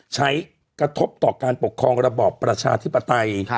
กระทบต่อการปกครองระบอบประชาธิปไตย